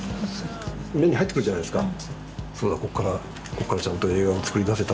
目に入ってくるじゃないですか。